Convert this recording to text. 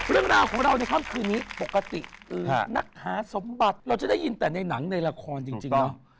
เรื่องราวของเราในค่ำคืนนี้ปกตินักหาสมบัติเราจะได้ยินแต่ในหนังในละครจริงเนอะ